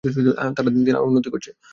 তারা দিন দিন আরো উন্নতি করছে।